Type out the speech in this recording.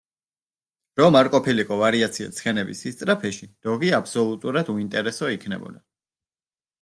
რომ არ ყოფილიყო ვარიაცია ცხენების სისწრაფეში, დოღი აბსოლუტურად უინტერესო იქნებოდა.